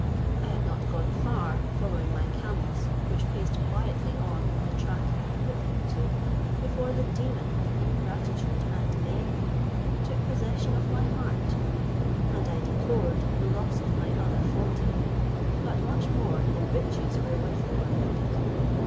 I had not gone far, following my camels, which paced quietly on in the track I had put them into, before the demon of ingratitude and envy took possession of my heart, and I deplored the loss of my other forty, but much more the riches wherewith they were loaded.